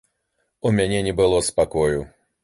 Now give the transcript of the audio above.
У мяне не было спакою.